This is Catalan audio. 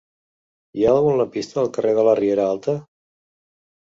Hi ha algun lampista al carrer de la Riera Alta?